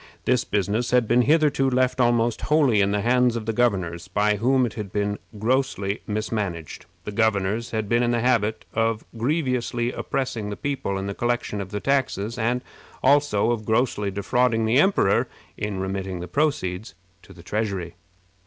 This business had been hitherto left almost wholly in the hands of the governors, by whom it had been grossly mismanaged. The governors had been in the habit both of grievously oppressing the people in the collection of the taxes, and also of grossly defrauding the emperor in remitting the proceeds to the treasury.